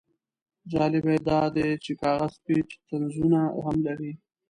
جالبه یې دا دی چې کاغذ پیچ طنزونه هم لري.